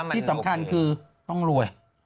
ที่สำคัญคือต้องรวย